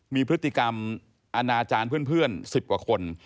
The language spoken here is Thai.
มีพฤติกรรมอนาจารย์เพื่อน๑๐กว่าคน